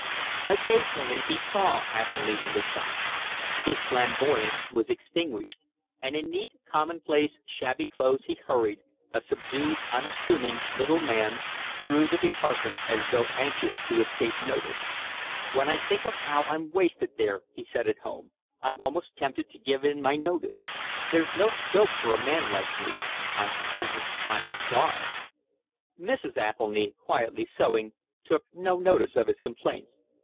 Occasionally he saw Athelny in the shop. His flamboyance was extinguished; and in neat, commonplace, shabby clothes he hurried, a subdued, unassuming little man, through the departments as though anxious to escape notice. "When I think of how I'm wasted there," he said at home, "I'm almost tempted to give in my notice. There's no scope for a man like me. I'm stunted, I'm starved." Mrs. Athelny, quietly sewing, took no notice of his complaints.